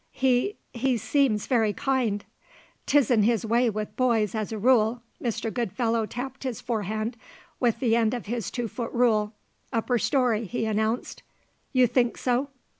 "He he seems very kind." "Tis'n his way with boys as a rule." Mr. Goodfellow tapped his forehand with the end of his two foot rule. "Upper story," he announced. "You think so?"